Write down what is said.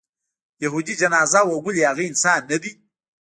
یهودي جنازه وه ولې هغه انسان نه دی.